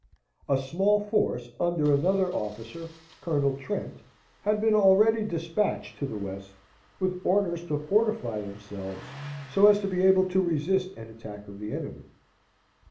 A small force under another officer, Colonel Trent, had been already despatched to the west, with orders to fortify themselves so as to be able to resist any attack of the enemy.